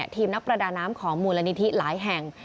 ทีมนักประดาน้ำของมูลนิธิหลายแห่ง